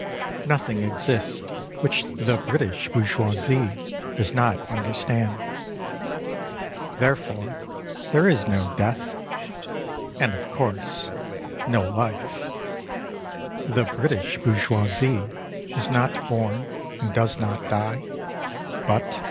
Nothing exists which the British bourgeoisie Does not understand ; Therefore there is no death — And, of course, no life. 23 At the Hothe of Mrs. Kinfoot. The British bourgeoisie Is not born, And does not die, But.